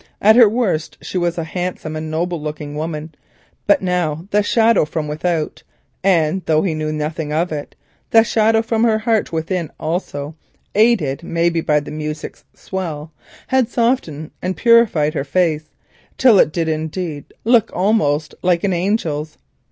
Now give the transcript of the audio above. At her worst she was a handsome and noble looking woman, but now the shadow from without, and though he knew nothing of that, the shadow from her heart within also, aided maybe by the music's swell, had softened and purified her face till it did indeed look almost like an angel's.